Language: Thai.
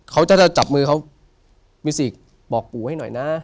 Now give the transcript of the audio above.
เขาจะจับมือเขามิสิกบอกปู่ให้หน่อยนะ